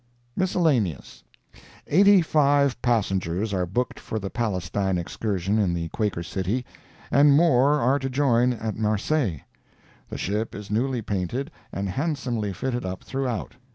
MISCELLANEOUS Eighty five passengers are booked for the Palestine excursion in the Quaker City, and more are to join at Marseilles. The ship is newly painted and handsomely fitted up throughout.